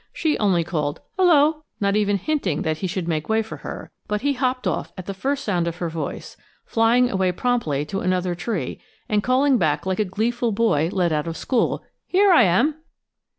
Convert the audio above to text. She only called "hello," not even hinting that he should make way for her, but he hopped off at the first sound of her voice, flying away promptly to another tree and calling back like a gleeful boy let out of school, "Here I am!"